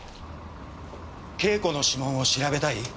慶子の指紋を調べたい？